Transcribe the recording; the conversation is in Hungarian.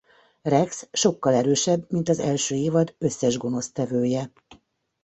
Rex sokkal erősebb mint az első évad összes gonosztevője.